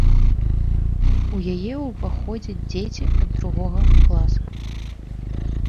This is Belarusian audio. У яе ўваходзяць дзеці ад другога класа.